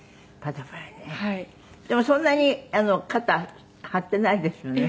でもそんなに肩張ってないですよね。